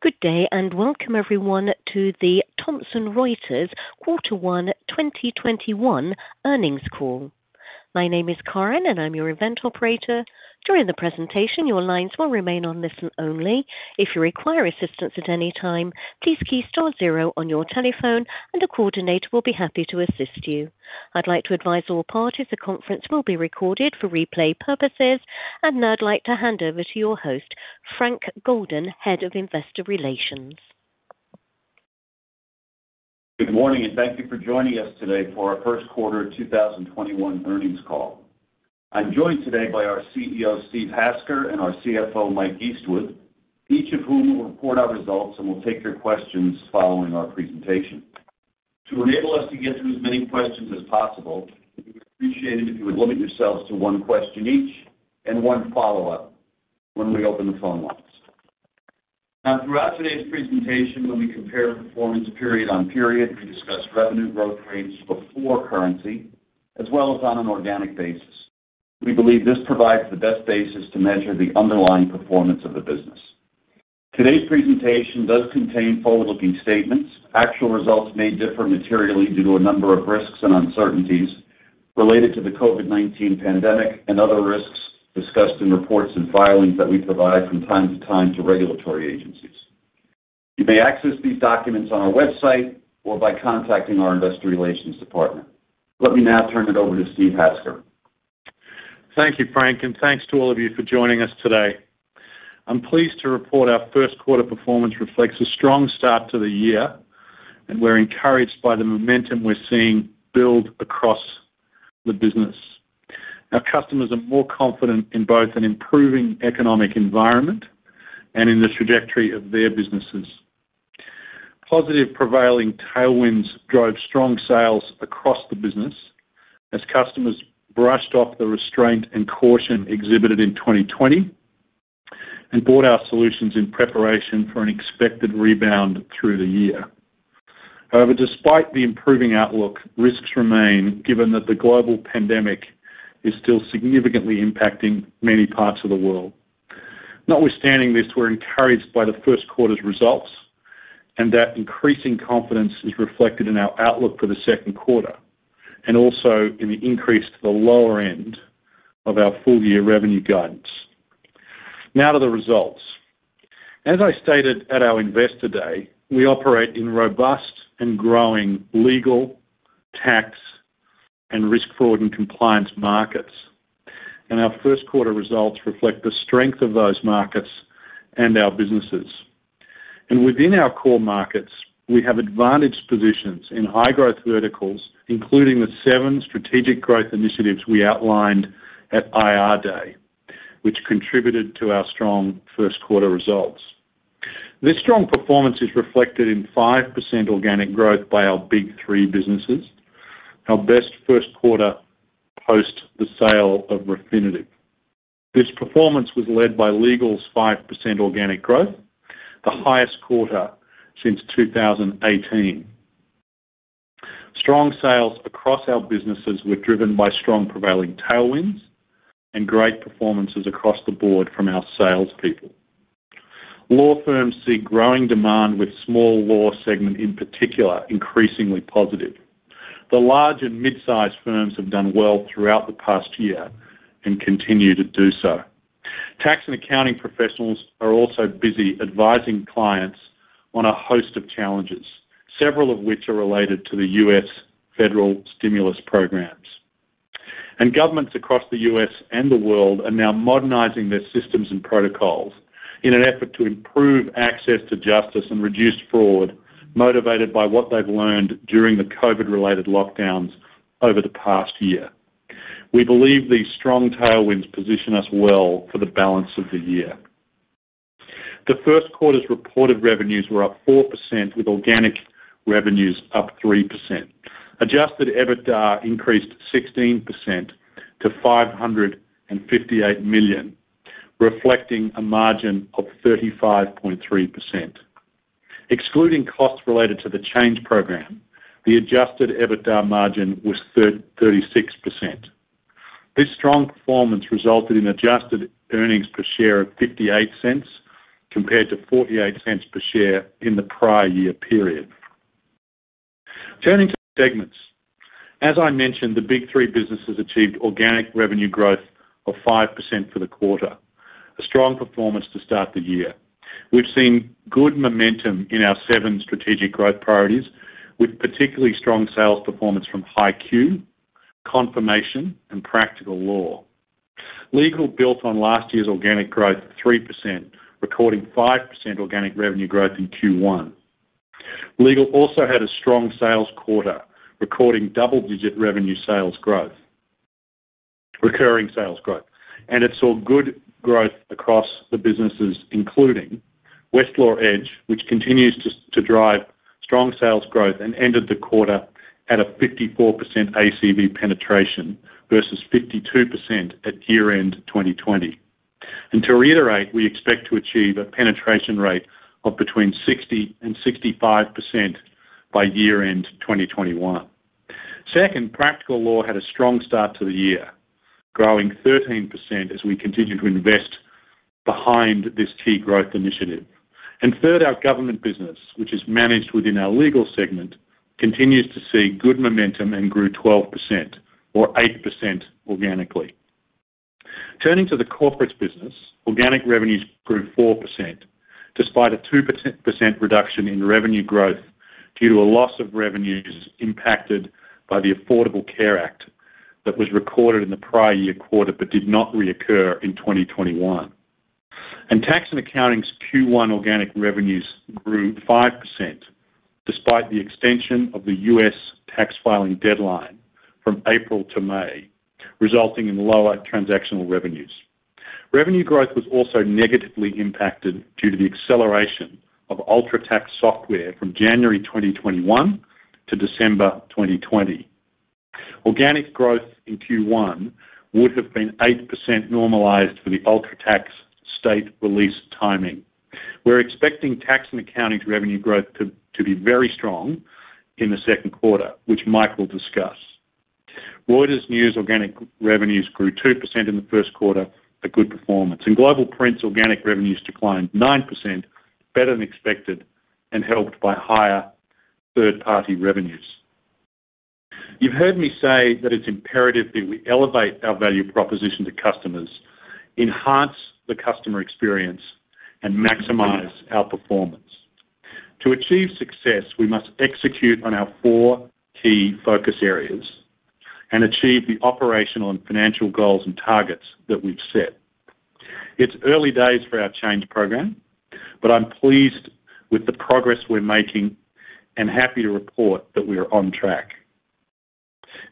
Good day, welcome everyone to the Thomson Reuters quarter one 2021 earnings call. My name is Karen and I'm your event operator. During the presentation, your lines will remain on listen only. If you require assistance at any time, please key star zero on your telephone and a coordinator will be happy to assist you. I'd like to advise all parties the conference will be recorded for replay purposes, and now I'd like to hand over to your host, Frank Golden, Head of Investor Relations. Good morning, thank you for joining us today for our first quarter 2021 earnings call. I'm joined today by our CEO, Steve Hasker, and our CFO, Mike Eastwood, each of whom will report our results and will take your questions following our presentation. To enable us to get through as many questions as possible, we would appreciate it if you would limit yourselves to one question each and one follow-up when we open the phone lines. Throughout today's presentation, when we compare performance period on period, we discuss revenue growth rates before currency, as well as on an organic basis. We believe this provides the best basis to measure the underlying performance of the business. Today's presentation does contain forward-looking statements. Actual results may differ materially due to a number of risks and uncertainties related to the COVID-19 pandemic and other risks discussed in reports and filings that we provide from time to time to regulatory agencies. You may access these documents on our website or by contacting our investor relations department. Let me now turn it over to Steve Hasker. Thank you, Frank, and thanks to all of you for joining us today. I'm pleased to report our first quarter performance reflects a strong start to the year, and we're encouraged by the momentum we're seeing build across the business. Our customers are more confident in both an improving economic environment and in the trajectory of their businesses. Positive prevailing tailwinds drove strong sales across the business as customers brushed off the restraint and caution exhibited in 2020 and bought our solutions in preparation for an expected rebound through the year. However, despite the improving outlook, risks remain given that the global pandemic is still significantly impacting many parts of the world. Notwithstanding this, we're encouraged by the first quarter's results, and that increasing confidence is reflected in our outlook for the second quarter, and also in the increase to the lower end of our full-year revenue guidance. Now to the results. As I stated at our IR Day, we operate in robust and growing legal, tax, and risk, fraud, and compliance markets, and our first quarter results reflect the strength of those markets and our businesses. Within our core markets, we have advantaged positions in high-growth verticals, including the seven strategic growth initiatives we outlined at IR Day, which contributed to our strong first quarter results. This strong performance is reflected in 5% organic growth by our big three businesses, our best first quarter post the sale of Refinitiv. This performance was led by Legal's 5% organic growth, the highest quarter since 2018. Strong sales across our businesses were driven by strong prevailing tailwinds and great performances across the board from our salespeople. Law firms see growing demand with Small Law segment in particular, increasingly positive. The large and mid-size firms have done well throughout the past year and continue to do so. Tax and accounting professionals are also busy advising clients on a host of challenges, several of which are related to the U.S. federal stimulus programs. Governments across the U.S. and the world are now modernizing their systems and protocols in an effort to improve access to justice and reduce fraud, motivated by what they've learned during the COVID-related lockdowns over the past year. We believe these strong tailwinds position us well for the balance of the year. The first quarter's reported revenues were up 4%, with organic revenues up 3%. Adjusted EBITDA increased 16% to $558 million, reflecting a margin of 35.3%. Excluding costs related to the change program, the adjusted EBITDA margin was 36%. This strong performance resulted in adjusted earnings per share of $0.58 compared to $0.48 per share in the prior year period. Turning to segments. As I mentioned, the big three businesses achieved organic revenue growth of 5% for the quarter, a strong performance to start the year. We've seen good momentum in our seven strategic growth priorities, with particularly strong sales performance from HighQ, Confirmation, and Practical Law. Legal built on last year's organic growth of 3%, recording 5% organic revenue growth in Q1. Legal also had a strong sales quarter, recording double-digit revenue sales growth, recurring sales growth, and it saw good growth across the businesses, including Westlaw Edge, which continues to drive strong sales growth and ended the quarter at a 54% ACV penetration versus 52% at year-end 2020. To reiterate, we expect to achieve a penetration rate of between 60%-65% by year-end 2021. Second, Practical Law had a strong start to the year, growing 13% as we continue to invest behind this key growth initiative. Third, our Government Business, which is managed within our Legal Segment, continues to see good momentum and grew 12%, or 8% organically. Turning to the Corporate Business, organic revenues grew 4%, despite a 2% reduction in revenue growth due to a loss of revenues impacted by the Affordable Care Act that was recorded in the prior year quarter but did not reoccur in 2021. Tax & Accounting's Q1 organic revenues grew 5%, despite the extension of the U.S. tax filing deadline from April to May, resulting in lower transactional revenues. Revenue growth was also negatively impacted due to the acceleration of UltraTax software from January 2021 to December 2020. Organic growth in Q1 would have been 8% normalized for the UltraTax state release timing. We're expecting Tax & Accounting's revenue growth to be very strong in the second quarter, which Mike will discuss. Reuters News organic revenues grew 2% in the first quarter, a good performance. Global Print's organic revenues declined 9%, better than expected and helped by higher third-party revenues. You've heard me say that it's imperative that we elevate our value proposition to customers, enhance the customer experience, and maximize our performance. To achieve success, we must execute on our four key focus areas and achieve the operational and financial goals and targets that we've set. It's early days for our change program, but I'm pleased with the progress we're making and happy to report that we are on track.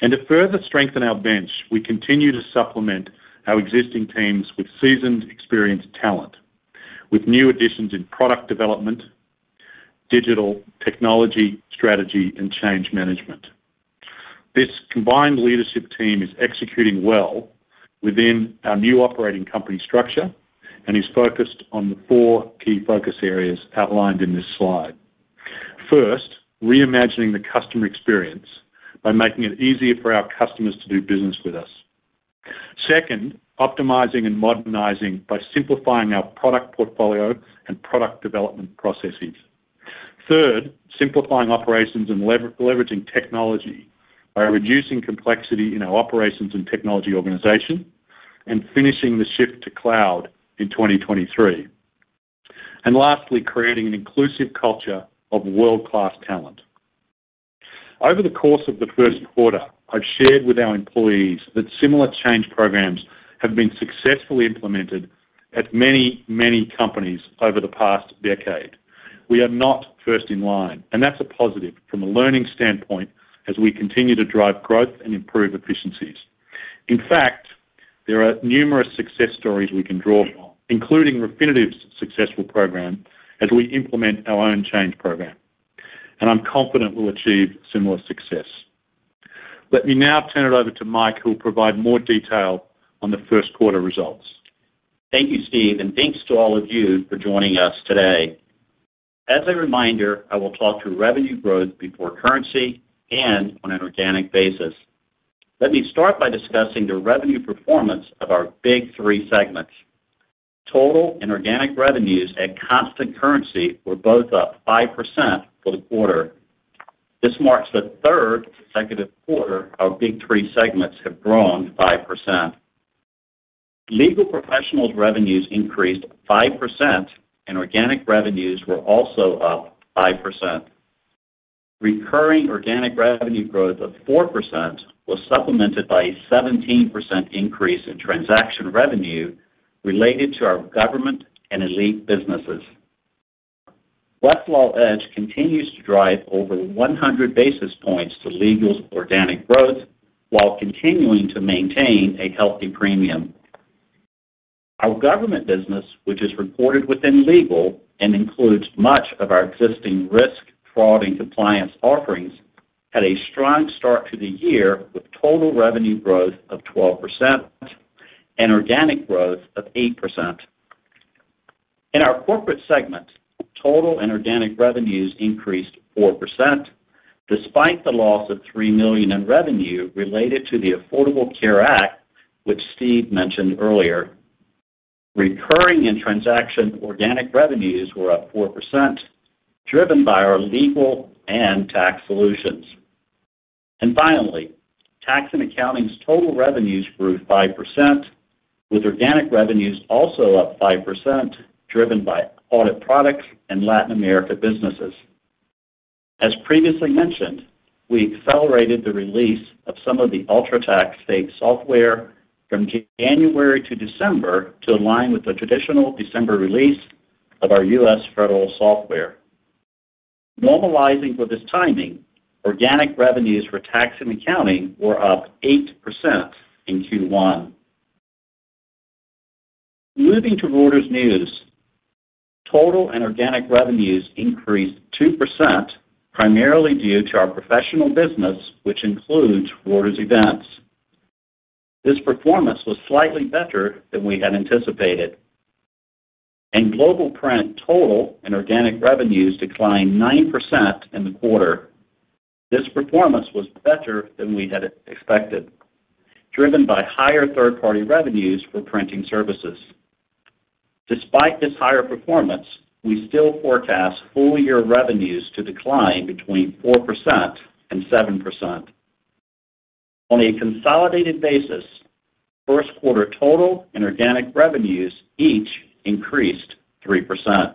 To further strengthen our bench, we continue to supplement our existing teams with seasoned, experienced talent, with new additions in product development, digital technology, strategy, and change management. This combined leadership team is executing well within our new operating company structure and is focused on the four key focus areas outlined in this slide. First, reimagining the customer experience by making it easier for our customers to do business with us. Second, optimizing and modernizing by simplifying our product portfolio and product development processes. Third, simplifying operations and leveraging technology by reducing complexity in our operations and technology organization and finishing the shift to cloud in 2023. Lastly, creating an inclusive culture of world-class talent. Over the course of the first quarter, I've shared with our employees that similar change programs have been successfully implemented at many companies over the past decade. We are not first in line. That's a positive from a learning standpoint as we continue to drive growth and improve efficiencies. In fact, there are numerous success stories we can draw from, including Refinitiv's successful program, as we implement our own change program. I'm confident we'll achieve similar success. Let me now turn it over to Mike, who will provide more detail on the first quarter results. Thank you, Steve, and thanks to all of you for joining us today. As a reminder, I will talk through revenue growth before currency and on an organic basis. Let me start by discussing the revenue performance of our Big Three segments. Total and organic revenues at constant currency were both up 5% for the quarter. This marks the third consecutive quarter our Big Three segments have grown 5%. Legal Professionals revenues increased 5%, and organic revenues were also up 5%. Recurring organic revenue growth of 4% was supplemented by a 17% increase in transaction revenue related to our Government and Elite businesses. Westlaw Edge continues to drive over 100 basis points to Legal's organic growth while continuing to maintain a healthy premium. Our Government business, which is reported within Legal and includes much of our existing risk, fraud, and compliance offerings, had a strong start to the year with total revenue growth of 12% and organic growth of 8%. In our Corporate segment, total and organic revenues increased 4%, despite the loss of $3 million in revenue related to the Affordable Care Act, which Steve mentioned earlier. Recurring and transaction organic revenues were up 4%, driven by our Legal and Tax solutions. Finally, Tax & Accounting's total revenues grew 5%, with organic revenues also up 5%, driven by audit products and Latin America businesses. As previously mentioned, we accelerated the release of some of the UltraTax state software from January to December to align with the traditional December release of our U.S. federal software. Normalizing for this timing, organic revenues for Tax & Accounting were up 8% in Q1. Moving to Reuters News, total and organic revenues increased 2%, primarily due to our Professional business, which includes Reuters Events. This performance was slightly better than we had anticipated. In Global Print, total and organic revenues declined 9% in the quarter. This performance was better than we had expected, driven by higher third-party revenues for printing services. Despite this higher performance, we still forecast full-year revenues to decline between 4% and 7%. On a consolidated basis, first quarter total and organic revenues each increased 3%.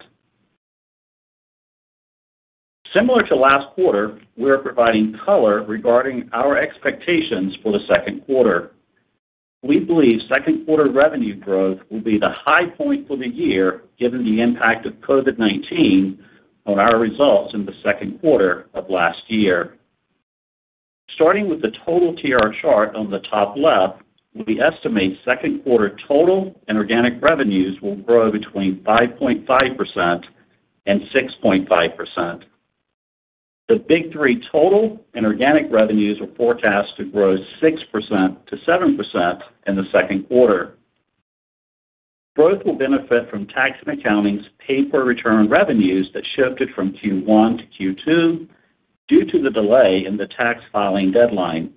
Similar to last quarter, we are providing color regarding our expectations for the second quarter. We believe second quarter revenue growth will be the high point for the year, given the impact of COVID-19 on our results in the second quarter of last year. Starting with the total TR chart on the top left, we estimate second quarter total and organic revenues will grow between 5.5% and 6.5%. The Big Three total and organic revenues are forecast to grow 6%-7% in the second quarter. Growth will benefit from Tax & Accounting's pay-per-return revenues that shifted from Q1 to Q2 due to the delay in the tax filing deadline.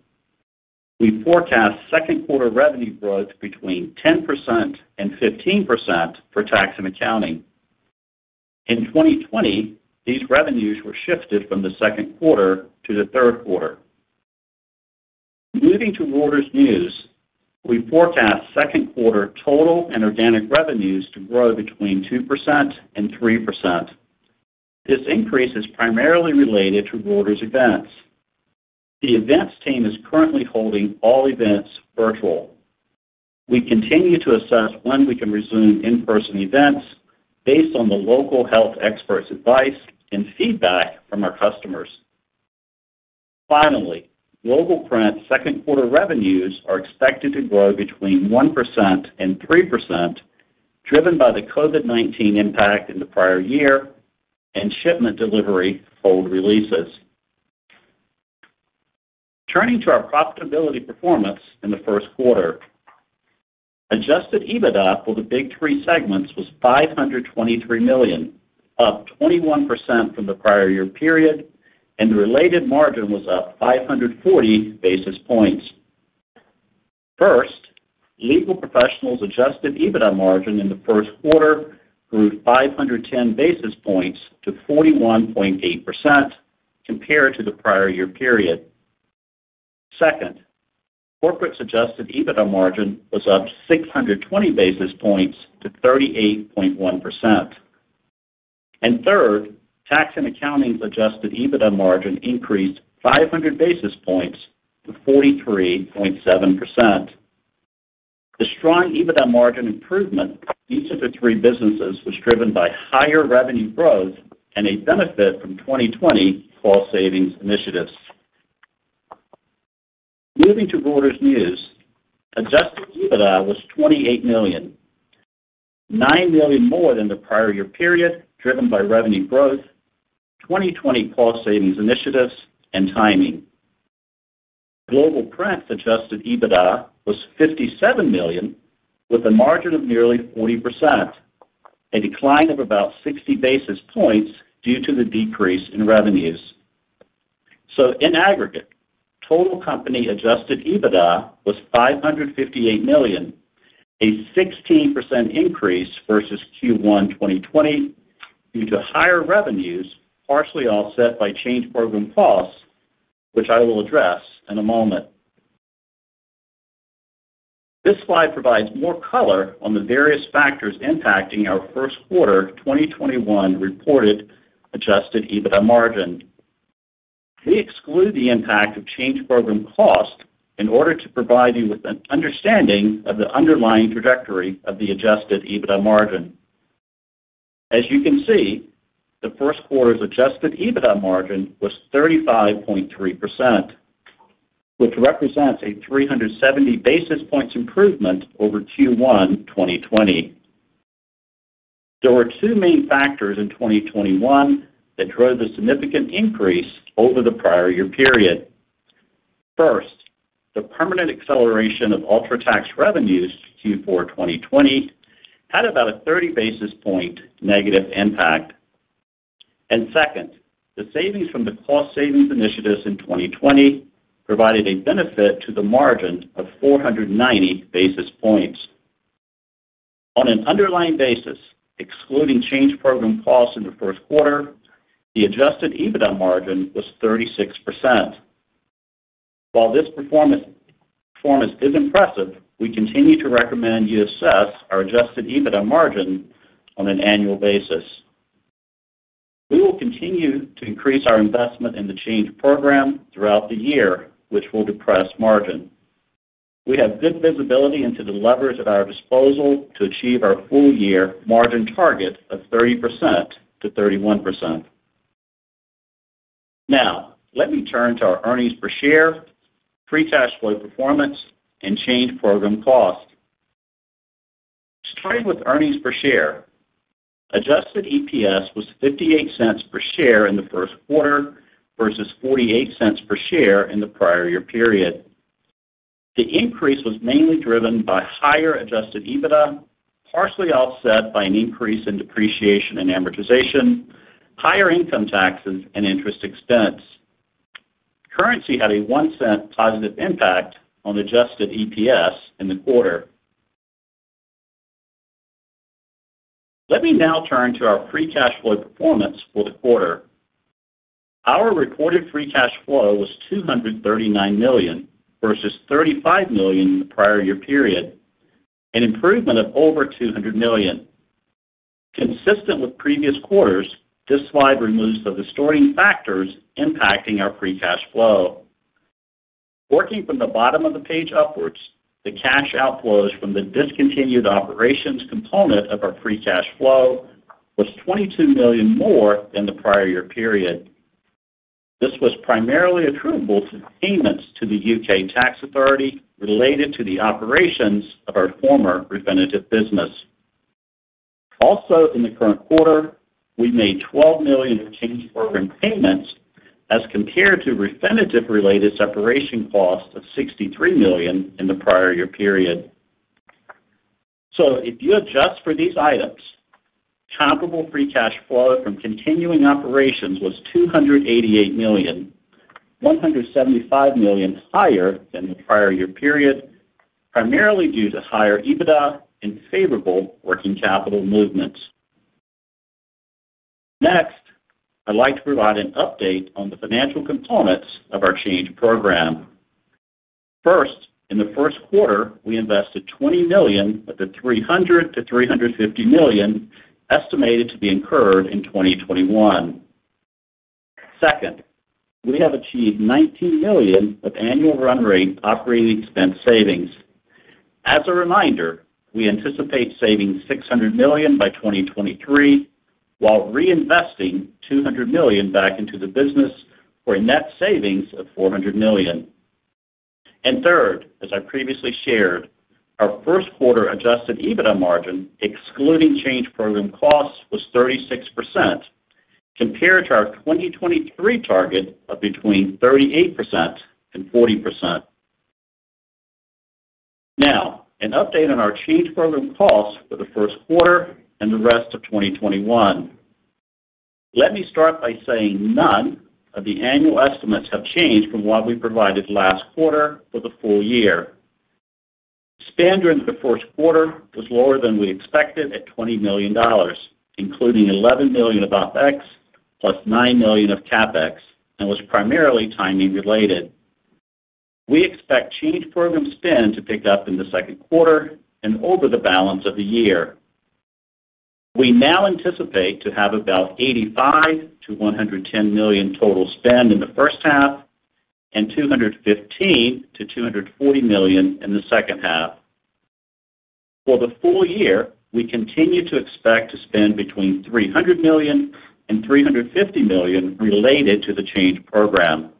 We forecast second quarter revenue growth between 10% and 15% for Tax & Accounting. In 2020, these revenues were shifted from the second quarter to the third quarter. Moving to Reuters News, we forecast second quarter total and organic revenues to grow between 2% and 3%. This increase is primarily related to Reuters Events. The events team is currently holding all events virtual. We continue to assess when we can resume in-person events based on the local health experts' advice and feedback from our customers. Global Print second-quarter revenues are expected to grow between 1% and 3%, driven by the COVID-19 impact in the prior year and shipment delivery hold releases. Turning to our profitability performance in the first quarter. Adjusted EBITDA for the Big Three segments was $523 million, up 21% from the prior year period, and the related margin was up 540 basis points. Legal Professionals' adjusted EBITDA margin in the first quarter grew 510 basis points to 41.8% compared to the prior year period. Corporates' adjusted EBITDA margin was up 620 basis points to 38.1%. Tax & Accounting's adjusted EBITDA margin increased 500 basis points to 43.7%. The strong EBITDA margin improvement in each of the three businesses was driven by higher revenue growth and a benefit from 2020 cost-savings initiatives. Moving to Reuters News. Adjusted EBITDA was $28 million, $9 million more than the prior year period, driven by revenue growth, 2020 cost savings initiatives, and timing. Global Print adjusted EBITDA was $57 million, with a margin of nearly 40%, a decline of about 60 basis points due to the decrease in revenues. In aggregate, total company adjusted EBITDA was $558 million, a 16% increase versus Q1 2020 due to higher revenues, partially offset by change program costs, which I will address in a moment. This slide provides more color on the various factors impacting our first quarter 2021 reported adjusted EBITDA margin. We exclude the impact of change program cost in order to provide you with an understanding of the underlying trajectory of the adjusted EBITDA margin. As you can see, the first quarter's adjusted EBITDA margin was 35.3%, which represents a 370 basis points improvement over Q1 2020. There were two main factors in 2021 that drove the significant increase over the prior year period. First, the permanent acceleration of UltraTax revenues Q4 2020 had about a 30 basis point negative impact. Second, the savings from the cost savings initiatives in 2020 provided a benefit to the margin of 490 basis points. On an underlying basis, excluding change program costs in the first quarter, the adjusted EBITDA margin was 36%. While this performance is impressive, we continue to recommend you assess our adjusted EBITDA margin on an annual basis. We will continue to increase our investment in the change program throughout the year, which will depress margin. We have good visibility into the levers at our disposal to achieve our full-year margin target of 30%-31%. Let me turn to our earnings per share, free cash flow performance, and change program cost. Starting with earnings per share. Adjusted EPS was $0.58 per share in the first quarter versus $0.48 per share in the prior year period. The increase was mainly driven by higher adjusted EBITDA, partially offset by an increase in depreciation and amortization, higher income taxes, and interest expense. Currency had a $0.01 positive impact on adjusted EPS in the quarter. Let me now turn to our free cash flow performance for the quarter. Our reported free cash flow was $239 million, versus $35 million in the prior year period, an improvement of over $200 million. Consistent with previous quarters, this slide removes the distorting factors impacting our free cash flow. Working from the bottom of the page upwards, the cash outflows from the discontinued operations component of our free cash flow was $22 million more than the prior year period. This was primarily attributable to payments to the U.K. tax authority related to the operations of our former Refinitiv business. Also, in the current quarter, we made $12 million of Change Program payments as compared to Refinitiv-related separation costs of $63 million in the prior year period. If you adjust for these items, comparable free cash flow from continuing operations was $288 million, $175 million higher than the prior year period, primarily due to higher EBITDA and favorable working capital movements. Next, I'd like to provide an update on the financial components of our Change Program. In the first quarter, we invested $20 million of the $300 million to $350 million estimated to be incurred in 2021. We have achieved $19 million of annual run rate operating expense savings. As a reminder, we anticipate saving $600 million by 2023, while reinvesting $200 million back into the business for a net savings of $400 million. As I previously shared, our first quarter adjusted EBITDA margin, excluding Change Program costs, was 36%, compared to our 2023 target of between 38% and 40%. An update on our Change Program costs for the first quarter and the rest of 2021. Let me start by saying none of the annual estimates have changed from what we provided last quarter for the full year. Spend during the first quarter was lower than we expected at $20 million, including $11 million of OpEx +$9 million of CapEx and was primarily timing related. We expect Change Program spend to pick up in the second quarter and over the balance of the year. We now anticipate to have about $85 million-$110 million total spend in the first half and $215 million-$240 million in the second half. For the full year, we continue to expect to spend between $300 million and $350 million related to the Change Program.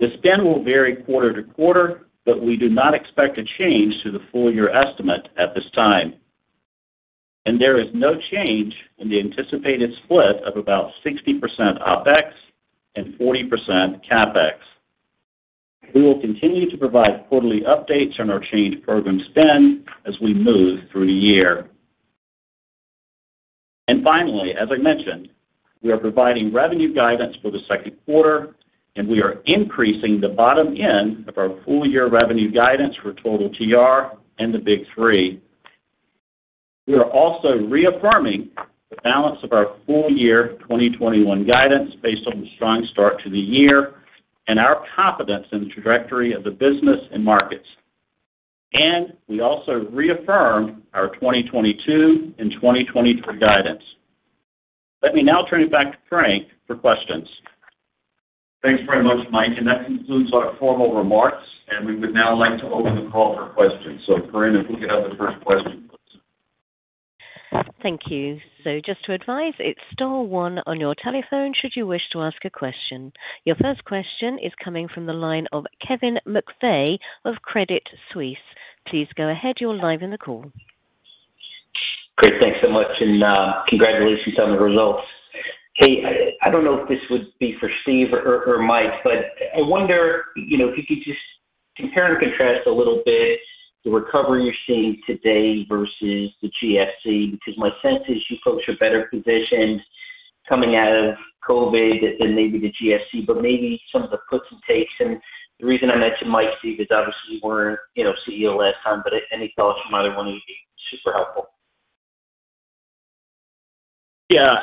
The spend will vary quarter-to-quarter, but we do not expect a change to the full year estimate at this time. There is no change in the anticipated split of about 60% OpEx and 40% CapEx. We will continue to provide quarterly updates on our Change Program spend as we move through the year. Finally, as I mentioned, we are providing revenue guidance for the second quarter, and we are increasing the bottom end of our full year revenue guidance for total TR and the Big Three. We are also reaffirming the balance of our full year 2021 guidance based on the strong start to the year and our confidence in the trajectory of the business and markets. We also reaffirm our 2022 and 2023 guidance. Let me now turn it back to Frank for questions. Thanks very much, Mike, and that concludes our formal remarks, and we would now like to open the call for questions. Corrin, if we could have the first question, please. Thank you. Just to advise, it's star one on your telephone should you wish to ask a question. Your first question is coming from the line of Kevin McVeigh of Credit Suisse. Please go ahead. You're live in the call. Great. Thanks so much. Congratulations on the results. I don't know if this would be for Steve Hasker or Mike Eastwood, but I wonder if you could just compare and contrast a little bit the recovery you're seeing today versus the GFC, because my sense is you folks are better positioned coming out of COVID-19 than maybe the GFC, but maybe some of the puts and takes. The reason I mentioned Mike Eastwood, Steve Hasker, is obviously you weren't CEO last time, but any thoughts from either one of you would be super helpful.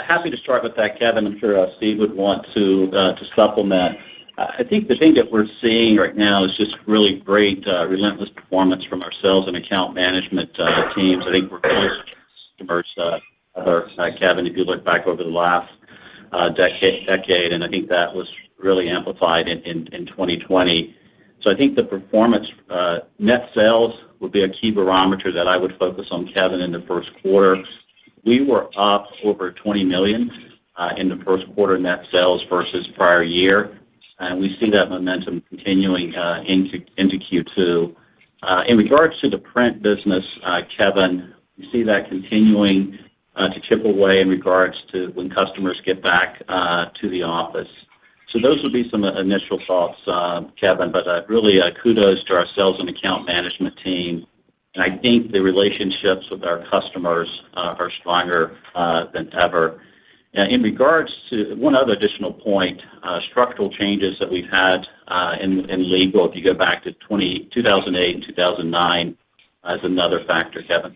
Happy to start with that, Kevin. I'm sure Steve would want to supplement. I think the thing that we're seeing right now is just really great, relentless performance from our sales and account management teams. I think we're close to customers, Kevin, if you look back over the last decade, and I think that was really amplified in 2020. I think the performance net sales would be a key barometer that I would focus on, Kevin, in the first quarter. We were up over $20 million in the first quarter net sales versus prior year. We see that momentum continuing into Q2. In regards to the print business, Kevin, we see that continuing to chip away in regards to when customers get back to the office. Those would be some initial thoughts, Kevin, but really kudos to our sales and account management team. I think the relationships with our customers are stronger than ever. One other additional point, structural changes that we've had in legal, if you go back to 2008 and 2009, is another factor, Kevin.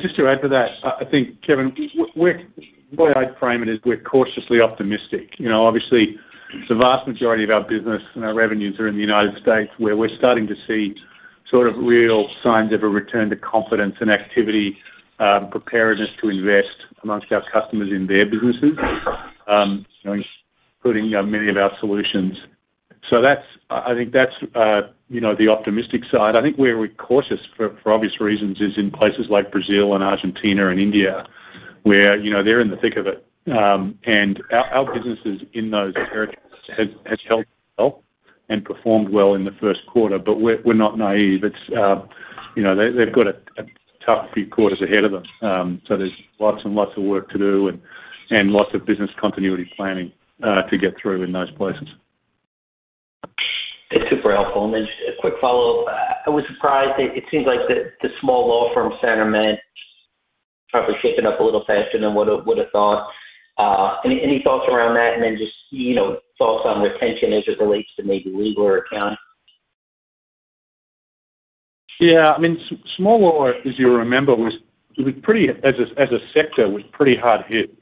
Just to add to that, I think, Kevin, the way I'd frame it is we're cautiously optimistic. Obviously, the vast majority of our business and our revenues are in the United States, where we're starting to see real signs of a return to confidence and activity, preparedness to invest amongst our customers in their businesses, including many of our solutions. I think that's the optimistic side. I think where we're cautious, for obvious reasons, is in places like Brazil and Argentina and India, where they're in the thick of it. Our businesses in those territories have held well and performed well in the first quarter. We're not naive. They've got a tough few quarters ahead of them. There's lots and lots of work to do and lots of business continuity planning to get through in those places. It's super helpful. Just a quick follow-up. I was surprised that it seems like the small law firm sentiment probably shaken up a little faster than would have thought. Any thoughts around that? Just thoughts on retention as it relates to maybe legal or accounting. Small law, as you'll remember, as a sector, was pretty hard hit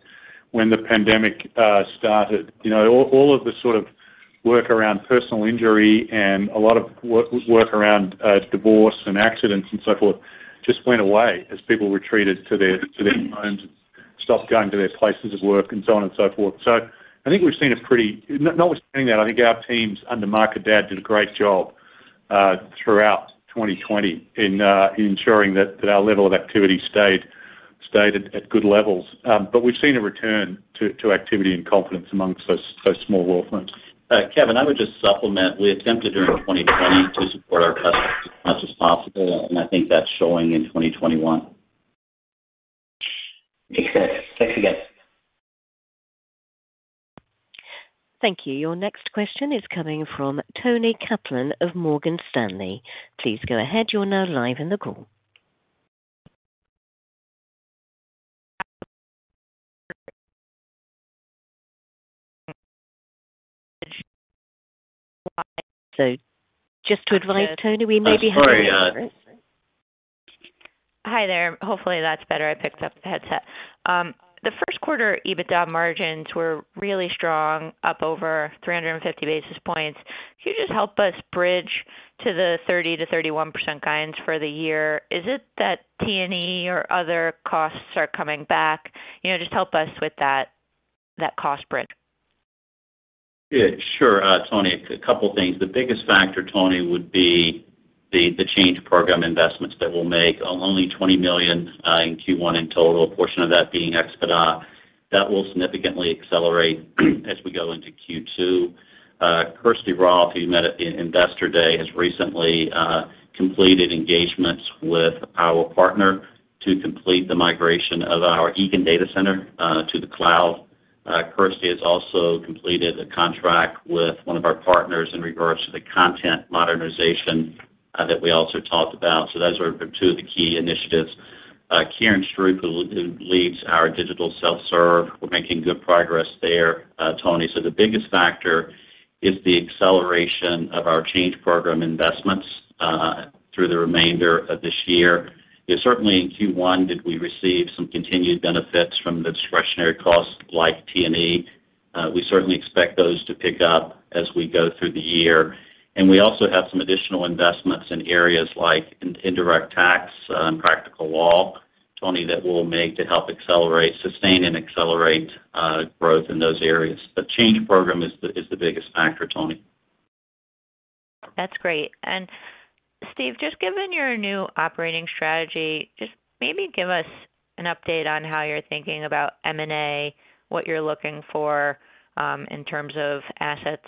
when the pandemic started. All of the work around personal injury and a lot of work around divorce and accidents and so forth just went away as people retreated to their homes and stopped going to their places of work and so on and so forth. Notwithstanding that, I think our teams under Mark Haddad did a great job throughout 2020 in ensuring that our level of activity stayed at good levels. We've seen a return to activity and confidence amongst those small law firms. Kevin, I would just supplement, we attempted during 2020 to support our customers as much as possible, and I think that's showing in 2021. Makes sense. Thanks again. Thank you. Your next question is coming from Toni Kaplan of Morgan Stanley. Please go ahead. Just to advise, Toni, we may be having. Hi there. Hopefully, that's better. I picked up the headset. The first quarter EBITDA margins were really strong, up over 350 basis points. Can you just help us bridge to the 30%-31% guidance for the year? Is it that T&E or other costs are coming back? Just help us with that cost bridge. Yeah, sure, Toni. A couple of things. The biggest factor, Toni, would be the change program investments that we'll make. Only $20 million in Q1 in total, a portion of that being CapEx. That will significantly accelerate as we go into Q2. Kirsty Roth, who you met at the Investor Day, has recently completed engagements with our partner to complete the migration of our Eagan data center to the cloud. Kirsty has also completed a contract with one of our partners in regards to the content modernization that we also talked about. Those are two of the key initiatives. Karen Stroup, who leads our digital self-serve, we're making good progress there, Toni. The biggest factor is the acceleration of our change program investments through the remainder of this year. Certainly, in Q1 did we receive some continued benefits from the discretionary costs like T&E. We certainly expect those to pick up as we go through the year. We also have some additional investments in areas like indirect tax and Practical Law, Toni, that we'll make to help sustain and accelerate growth in those areas. Change program is the biggest factor, Toni. That's great. Steve, just given your new operating strategy, just maybe give us an update on how you're thinking about M&A, what you're looking for in terms of assets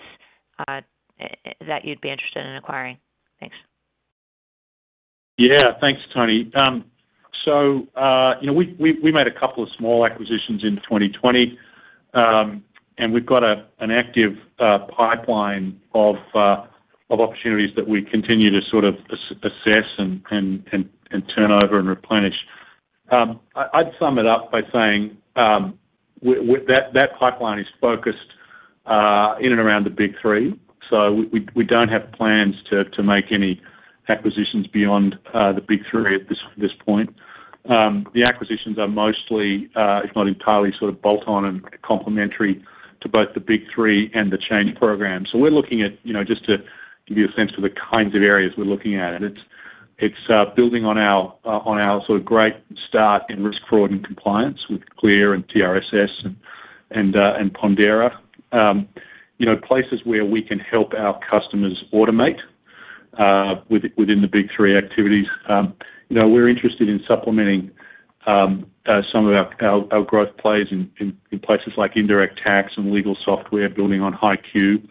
that you'd be interested in acquiring. Thanks. Yeah. Thanks, Toni. We made a couple of small acquisitions in 2020, and we've got an active pipeline of opportunities that we continue to assess and turn over and replenish. I'd sum it up by saying that pipeline is focused in and around the big three. We don't have plans to make any acquisitions beyond the big three at this point. The acquisitions are mostly, if not entirely, bolt-on and complementary to both the big three and the change program. Just to give you a sense of the kinds of areas we're looking at, it's building on our great start in risk, fraud, and compliance with CLEAR and TRSS and Pondera. Places where we can help our customers automate within the big three activities. We're interested in supplementing some of our growth plays in places like indirect tax and legal software building on HighQ.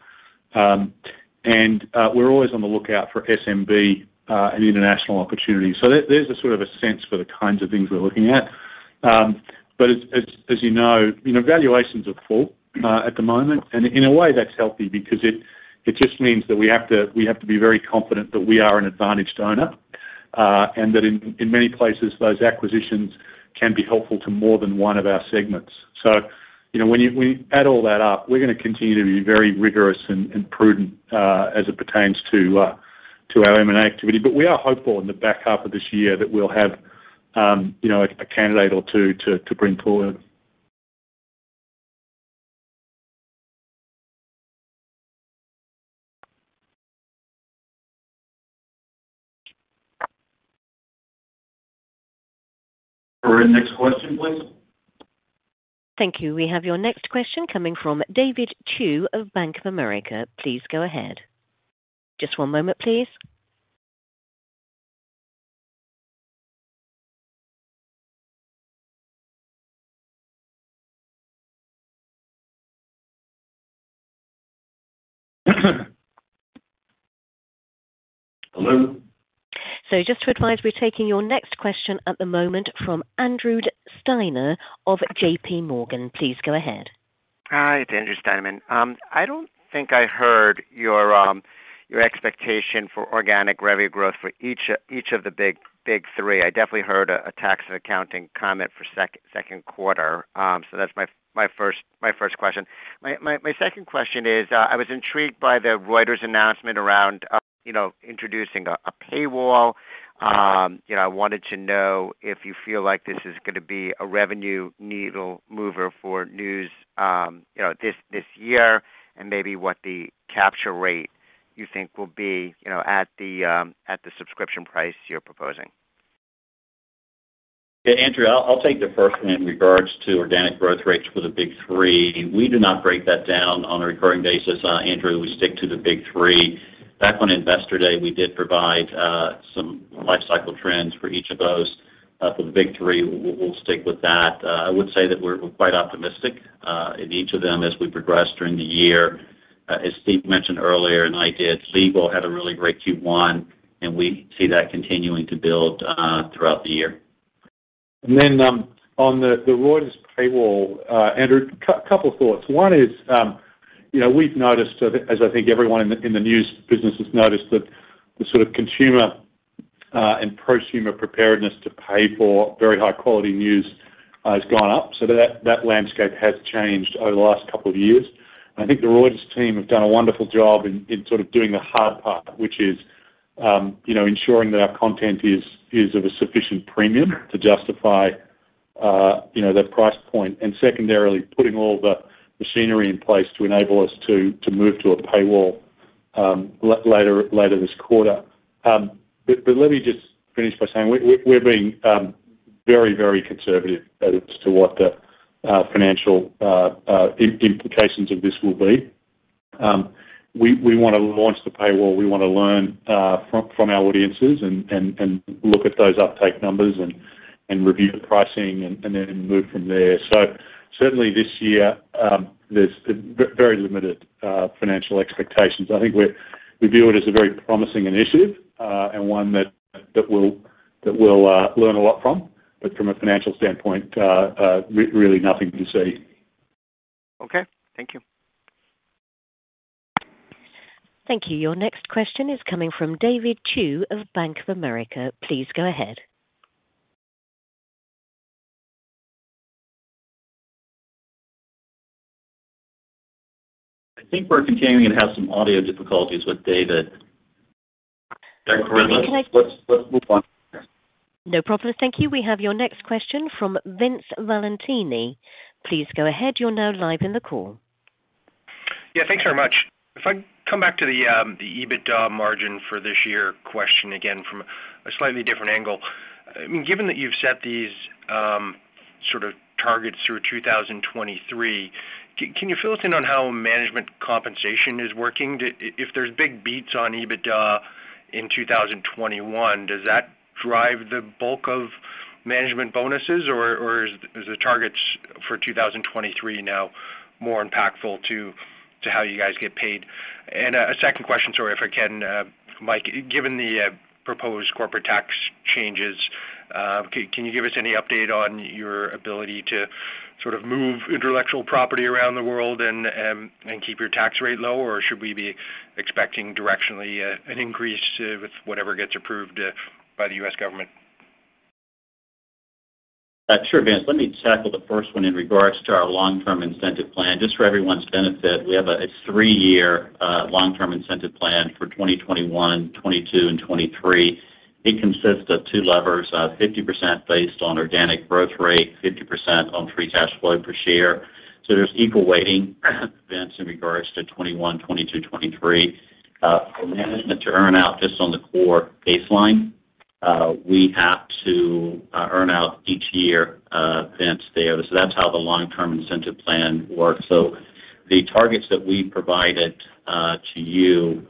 We're always on the lookout for SMB and international opportunities. There's a sort of a sense for the kinds of things we're looking at. As you know, valuations have fallen at the moment, and in a way that's healthy because it just means that we have to be very confident that we are an advantaged owner, and that in many places, those acquisitions can be helpful to more than one of our segments. When you add all that up, we're going to continue to be very rigorous and prudent, as it pertains to our M&A activity. We are hopeful in the back half of this year that we'll have a candidate or two to bring forward. Operator, next question, please. Thank you. We have your next question coming from David Chiu of Bank of America. Please go ahead. Just one moment, please. Hello? Just to advise, we're taking your next question at the moment from Andrew Steinerman of JPMorgan. Please go ahead. Hi, it's Andrew Steinerman. I don't think I heard your expectation for organic revenue growth for each of the big three. I definitely heard a tax and accounting comment for second quarter. That's my first question. My second question is, I was intrigued by the Reuters announcement around introducing a paywall. I wanted to know if you feel like this is going to be a revenue needle mover for news this year and maybe what the capture rate you think will be at the subscription price you're proposing. Yeah, Andrew, I'll take the first one in regards to organic growth rates for the big three. We do not break that down on a recurring basis, Andrew. We stick to the big three. Back on Investor Day, we did provide some life cycle trends for each of those. For the big three, we'll stick with that. I would say that we're quite optimistic in each of them as we progress during the year. As Steve mentioned earlier, and I did, legal had a really great Q1. We see that continuing to build throughout the year. On the Reuters paywall, Andrew Steinerman, couple thoughts. One is, we've noticed, as I think everyone in the news business has noticed, that the sort of consumer and pro-sumer preparedness to pay for very high-quality news has gone up. That landscape has changed over the last couple of years. I think the Reuters team have done a wonderful job in sort of doing the hard part, which is ensuring that our content is of a sufficient premium to justify that price point. Secondarily, putting all the machinery in place to enable us to move to a paywall later this quarter. Let me just finish by saying, we're being very conservative as to what the financial implications of this will be. We want to launch the paywall. We want to learn from our audiences and look at those uptake numbers and review the pricing and then move from there. Certainly this year, there's very limited financial expectations. I think we view it as a very promising initiative, and one that we'll learn a lot from. From a financial standpoint, really nothing to see. Okay. Thank you. Thank you. Your next question is coming from David Chiu of Bank of America. Please go ahead. I think we're continuing to have some audio difficulties with David. Yeah, Corrin, let's move on from there. No problem. Thank you. We have your next question from Vince Valentini from TD. Please go ahead. Yeah, thanks very much. If I come back to the EBITDA margin for this year question again from a slightly different angle. Given that you've set these sort of targets through 2023, can you fill us in on how management compensation is working? If there's big beats on EBITDA in 2021, does that drive the bulk of management bonuses, or is the targets for 2023 now more impactful to how you guys get paid? A second question, sorry, if I can, Mike, given the proposed corporate tax changes, can you give us any update on your ability to sort of move intellectual property around the world and keep your tax rate low, or should we be expecting directionally an increase with whatever gets approved by the U.S. government? Sure, Vince. Let me tackle the first one in regards to our long-term incentive plan. Just for everyone's benefit, we have a three-year long-term incentive plan for 2021, 2022, and 2023. It consists of two levers, 50% based on organic growth rate, 50% on free cash flow per share. There's equal weighting, Vince, in regards to 2021, 2022, 2023. For management to earn out just on the core baseline. We have to earn out each year, Vince, there. That's how the long-term incentive plan works. The targets that we provided to you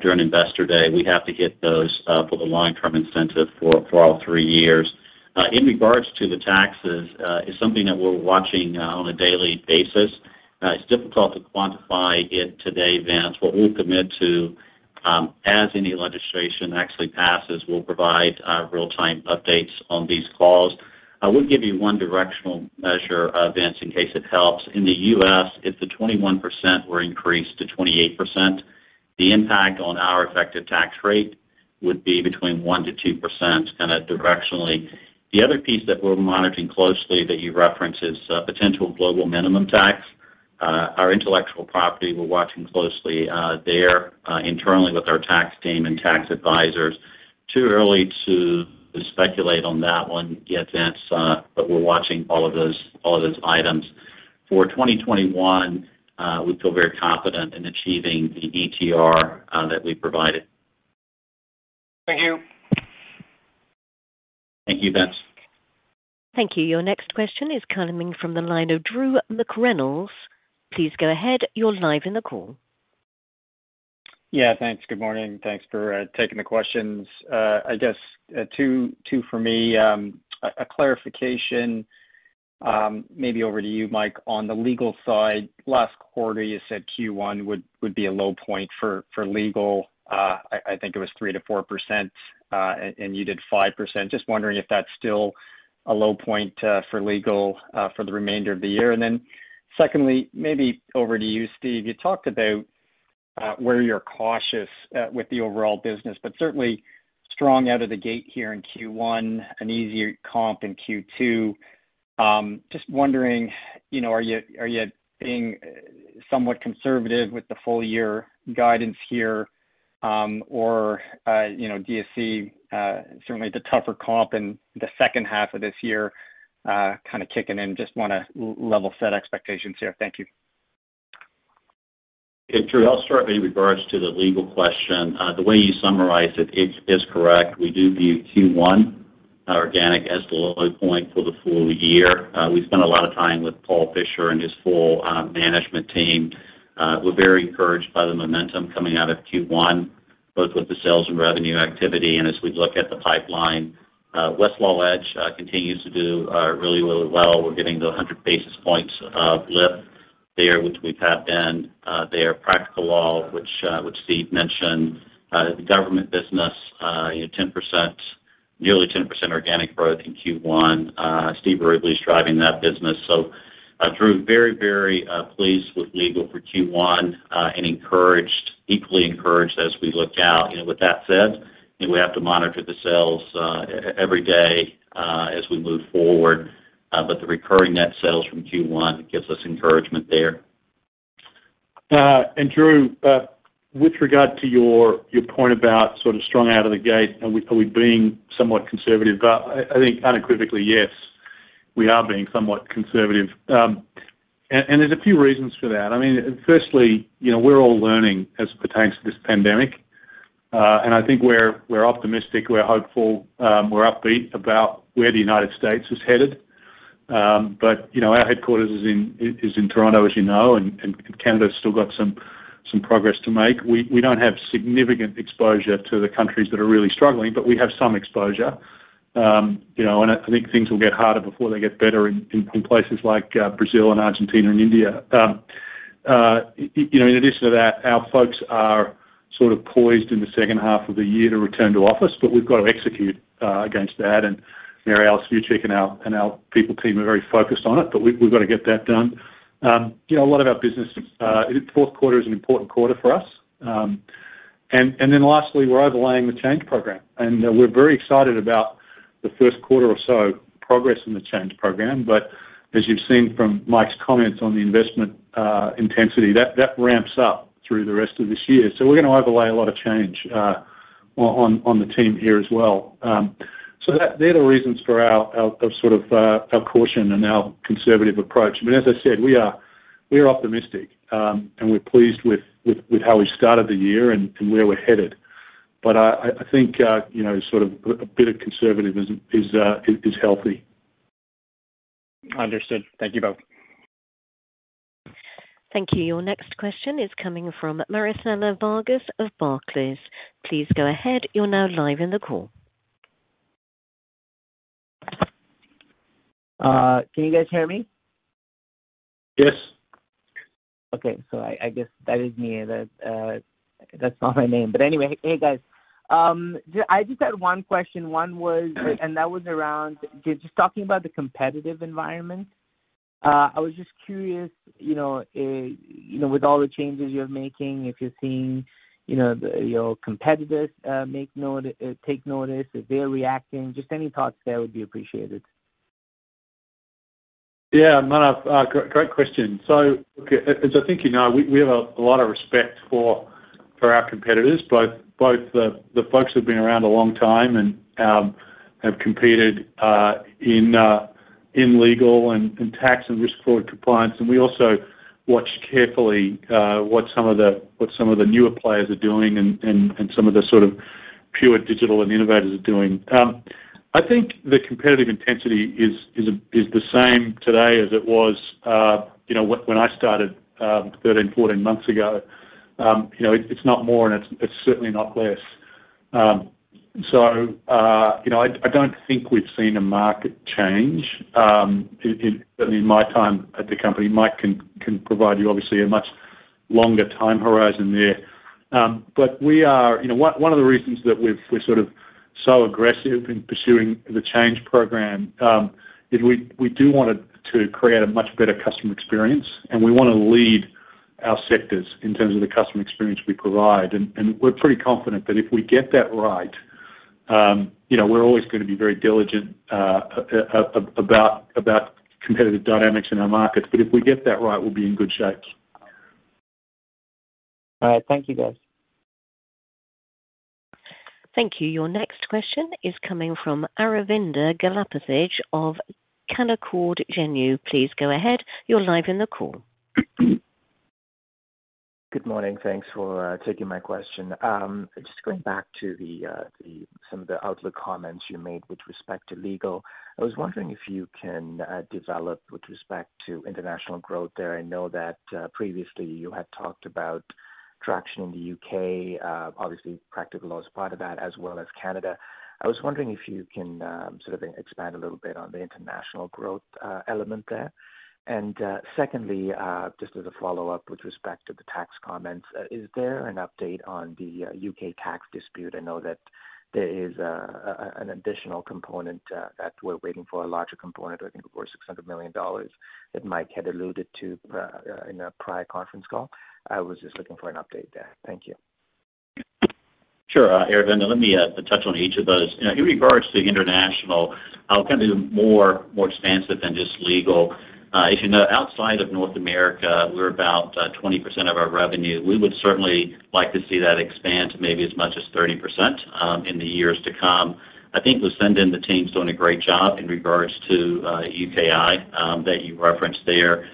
during Investor Day, we have to hit those for the long-term incentive for all three years. In regards to the taxes, it's something that we're watching now on a daily basis. It's difficult to quantify it today, Vince. What we'll commit to, as any legislation actually passes, we'll provide real-time updates on these calls. I would give you one directional measure, Vince, in case it helps. In the U.S., if the 21% were increased to 28%, the impact on our effective tax rate would be between 1%-2%, kind of directionally. The other piece that we're monitoring closely that you referenced is potential global minimum tax. Our intellectual property, we're watching closely there internally with our tax team and tax advisors. Too early to speculate on that one yet, Vince, we're watching all of those items. For 2021, we feel very confident in achieving the ETR that we provided. Thank you. Thank you, Vince. Thank you. Your next question is coming from the line of Drew McReynolds. Please go ahead. You're live in the call. Thanks. Good morning. Thanks for taking the questions. I guess two for me. A clarification, maybe over to you, Mike, on the legal side. Last quarter, you said Q1 would be a low point for legal. I think it was 3%-4%, and you did 5%. Just wondering if that's still a low point for legal for the remainder of the year. Secondly, maybe over to you, Steve. You talked about where you're cautious with the overall business, but certainly strong out of the gate here in Q1, an easier comp in Q2. Just wondering, are you being somewhat conservative with the full year guidance here? Do you see certainly the tougher comp in the second half of this year kind of kicking in? Just want to level set expectations here. Thank you. Hey, Drew. I'll start with regards to the legal question. The way you summarized it is correct. We do view Q1 organic as the low point for the full year. We spent a lot of time with Paul Fischer and his full management team. We're very encouraged by the momentum coming out of Q1, both with the sales and revenue activity, and as we look at the pipeline. Westlaw Edge continues to do really, really well. We're getting the 100 basis points of lift there, which we've had. There, Practical Law, which Steve mentioned. The government business, nearly 10% organic growth in Q1. Steve Rubley is driving that business. Drew, very, very pleased with legal for Q1, and equally encouraged as we look out. With that said, we have to monitor the sales every day as we move forward. The recurring net sales from Q1 gives us encouragement there. Drew, with regard to your point about sort of strong out of the gate and are we being somewhat conservative, I think unequivocally, yes, we are being somewhat conservative. There's a few reasons for that. Firstly, we're all learning as it pertains to this pandemic. I think we're optimistic, we're hopeful, we're upbeat about where the United States is headed. Our headquarters is in Toronto, as you know, and Canada's still got some progress to make. We don't have significant exposure to the countries that are really struggling, but we have some exposure. I think things will get harder before they get better in places like Brazil and Argentina and India. In addition to that, our folks are sort of poised in the second half of the year to return to office, but we've got to execute against that. Mary Alice Vuicic and our people team are very focused on it, but we've got to get that done. A lot of our business, fourth quarter is an important quarter for us. Lastly, we're overlaying the change program. We're very excited about the first quarter or so progress in the change program. As you've seen from Mike's comments on the investment intensity, that ramps up through the rest of this year. We're going to overlay a lot of change on the team here as well. They're the reasons for our caution and our conservative approach. As I said, we are optimistic, and we're pleased with how we've started the year and where we're headed. I think a bit of conservatism is healthy. Understood. Thank you both. Thank you. Your next question is coming from Manav Patnaik of Barclays. Please go ahead. Can you guys hear me?. Yes. Okay. I guess that is me. That's not my name. Anyway, hey, guys. I just had one question. One was, and that was around just talking about the competitive environment. I was just curious, with all the changes you're making, if you're seeing your competitors take notice, if they're reacting, just any thoughts there would be appreciated. Yeah, Manav, great question. As I think you know, we have a lot of respect for our competitors, both the folks who've been around a long time and have competed in legal and tax and risk, fraud, and compliance. We also watch carefully what some of the newer players are doing and some of the sort of pure digital and innovators are doing. I think the competitive intensity is the same today as it was when I started 13, 14 months ago. It's not more and it's certainly not less. I don't think we've seen a market change in my time at the company. Mike can provide you obviously a much longer time horizon there. One of the reasons that we're sort of so aggressive in pursuing the Change Program, is we do want to create a much better customer experience, and we want to lead our sectors in terms of the customer experience we provide. We're pretty confident that if we get that right, we're always going to be very diligent about competitive dynamics in our markets. If we get that right, we'll be in good shape. All right. Thank you, guys. Thank you. Your next question is coming from Aravinda Galappatthige of Canaccord Genuity. Please go ahead. You're live in the call. Good morning. Thanks for taking my question. Just going back to some of the outlook comments you made with respect to legal. I was wondering if you can develop with respect to international growth there. I know that previously you had talked about traction in the U.K. Obviously Practical Law is part of that as well as Canada. I was wondering if you can sort of expand a little bit on the international growth element there. Secondly, just as a follow-up with respect to the tax comments, is there an update on the U.K. tax dispute? I know that there is an additional component that we're waiting for, a larger component, I think over $600 million that Mike had alluded to in a prior conference call. I was just looking for an update there. Thank you. Sure. Aravinda, let me touch on each of those. In regards to international, I'll kind of do more expansive than just legal. If you know, outside of North America, we're about 20% of our revenue. We would certainly like to see that expand to maybe as much as 30% in the years to come. I think Lucinda and the team's doing a great job in regards to UKI, that you referenced there.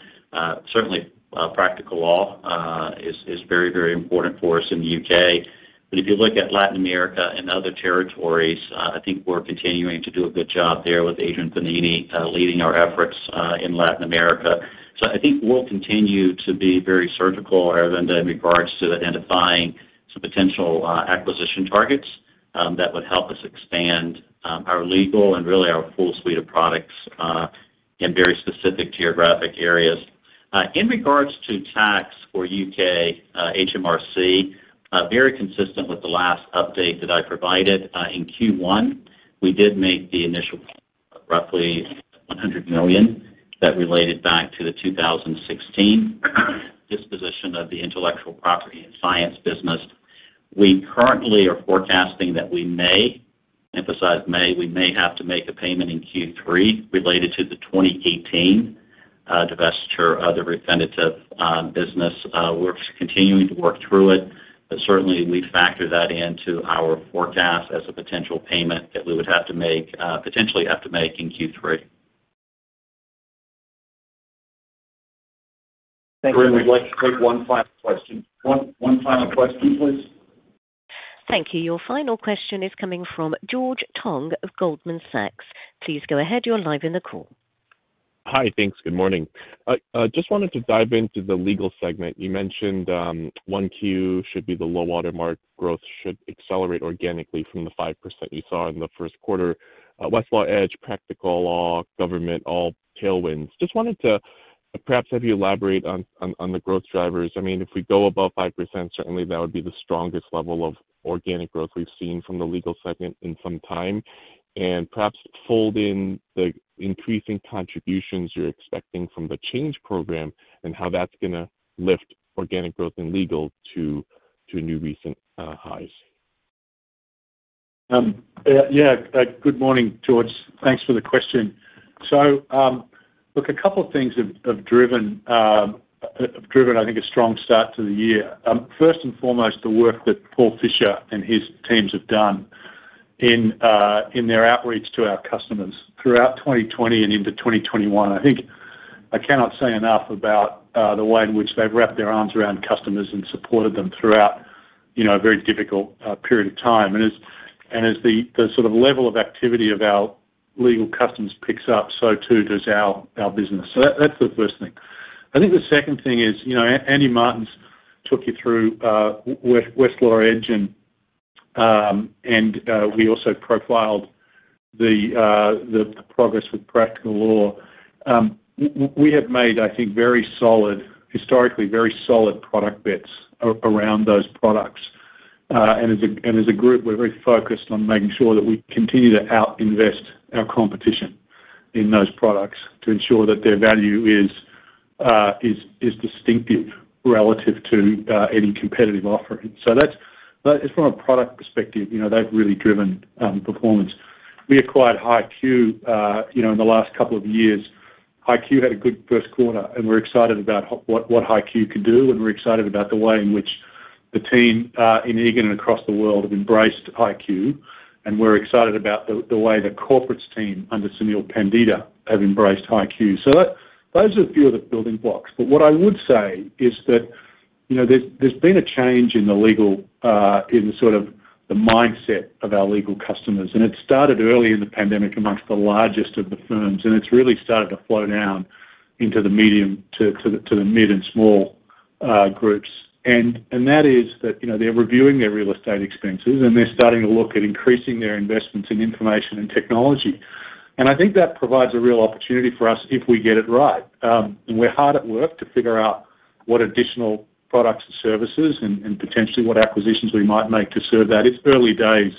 Certainly, Practical Law is very, very important for us in the U.K. If you look at Latin America and other territories, I think we're continuing to do a good job there with Adrian Penini leading our efforts in Latin America. I think we'll continue to be very surgical, Aravinda, in regards to identifying some potential acquisition targets that would help us expand our legal and really our full suite of products in very specific geographic areas. In regards to tax for U.K., HMRC, very consistent with the last update that I provided in Q1. We did make the initial payment of roughly $100 million that related back to the 2016 disposition of the Intellectual Property & Science business. We currently are forecasting that we may, emphasize may, we may have to make a payment in Q3 related to the 2018 divestiture of the Refinitiv business. We're continuing to work through it, certainly we factor that into our forecast as a potential payment that we would potentially have to make in Q3. Brian, we'd like to take one final question. One final question, please. Thank you. Your final question is coming from George Tong of Goldman Sachs. Please go ahead. You're live in the call. Hi. Thanks. Good morning. Just wanted to dive into the legal segment. You mentioned 1Q should be the low water mark. Growth should accelerate organically from the 5% you saw in the first quarter. Westlaw Edge, Practical Law, Government, all tailwinds. Just wanted to perhaps have you elaborate on the growth drivers. If we go above 5%, certainly that would be the strongest level of organic growth we've seen from the legal segment in some time. Perhaps fold in the increasing contributions you're expecting from the change program and how that's going to lift organic growth and legal to new recent highs. Yeah. Good morning, George. Thanks for the question. Look, a couple of things have driven, I think, a strong start to the year. First and foremost, the work that Paul Fischer and his teams have done in their outreach to our customers throughout 2020 and into 2021. I think I cannot say enough about the way in which they've wrapped their arms around customers and supported them throughout a very difficult period of time. As the sort of level of activity of our legal customers picks up, so too does our business. That's the first thing. I think the second thing is, Andy Martens took you through Westlaw Edge, and we also profiled the progress with Practical Law. We have made, I think, historically, very solid product bets around those products. As a group, we're very focused on making sure that we continue to out-invest our competition in those products to ensure that their value is distinctive relative to any competitive offering. From a product perspective they've really driven performance. We acquired HighQ in the last couple of years. HighQ had a good first quarter, and we're excited about what HighQ could do, and we're excited about the way in which the team in Eagan and across the world have embraced HighQ, and we're excited about the way the corporates team under Sunil Pandita have embraced HighQ. Those are a few of the building blocks. What I would say is that there's been a change in the mindset of our legal customers, and it started early in the pandemic amongst the largest of the firms, and it's really started to flow down into the medium to the mid and small groups. That is that they're reviewing their real estate expenses, and they're starting to look at increasing their investments in information and technology. I think that provides a real opportunity for us if we get it right. We're hard at work to figure out what additional products and services and potentially what acquisitions we might make to serve that. It's early days,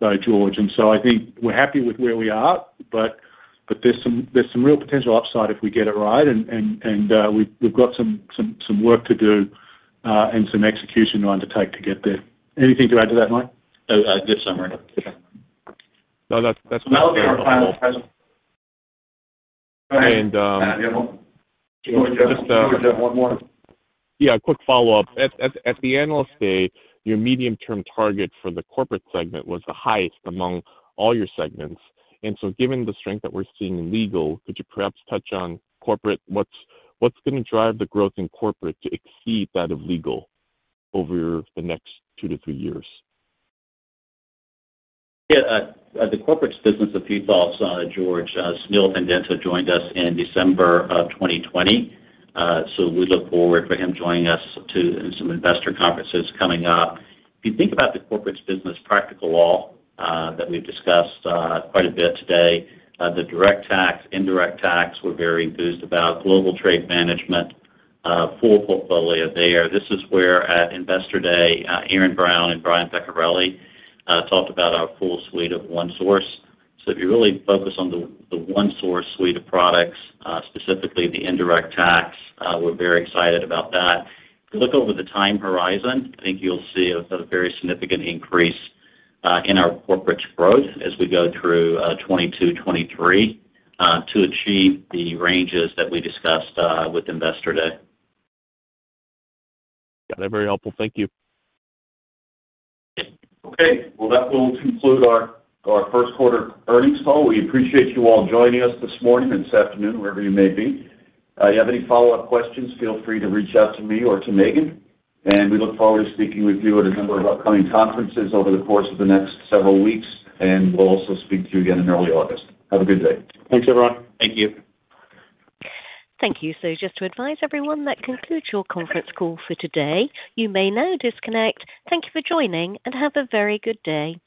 though, George, I think we're happy with where we are, but there's some real potential upside if we get it right, and we've got some work to do, and some execution to undertake to get there. Anything to add to that, Mike? Good summary. No, that's very helpful. That will be our time. And- George, you had one more? Yeah, a quick follow-up. At the IR Day, your medium-term target for the Corporates segment was the highest among all your segments. Given the strength that we're seeing in Legal Professionals, could you perhaps touch on Corporates? What's going to drive the growth in Corporates to exceed that of Legal Professionals over the next two to three years? Yeah. The Corporates business, if you thought, George, Sunil Pandita joined us in December of 2020. We look forward for him joining us, too, in some investor conferences coming up. If you think about the Corporates business Practical Law, that we've discussed quite a bit today, the direct tax, indirect tax, we're very enthused about Global Trade Management, full portfolio there. This is where at Investor Day, Erin Brown and Brian Peccarelli talked about our full suite of ONESOURCE. If you really focus on the ONESOURCE suite of products, specifically the indirect tax, we're very excited about that. If you look over the time horizon, I think you'll see a very significant increase in our Corporates growth as we go through 2022, 2023, to achieve the ranges that we discussed with Investor Day. Got it. Very helpful. Thank you. Okay. Well, that will conclude our first quarter earnings call. We appreciate you all joining us this morning, this afternoon, wherever you may be. If you have any follow-up questions, feel free to reach out to me or to Megan, and we look forward to speaking with you at a number of upcoming conferences over the course of the next several weeks, and we'll also speak to you again in early August. Have a good day. Thanks, everyone. Thank you. Thank you. Just to advise everyone, that concludes your conference call for today. You may now disconnect. Thank you for joining, and have a very good day.